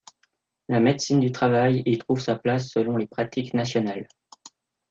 La médecine du travail y trouve sa place selon les pratiques nationales.